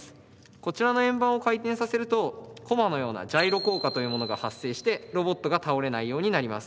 こちらの円盤を回転させるとコマのようなジャイロ効果というものが発生してロボットが倒れないようになります。